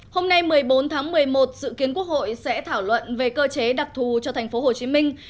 hôm nay một mươi bốn tháng một mươi một dự kiến quốc hội sẽ thảo luận về cơ chế đặc thù cho thành phố hồ chí minh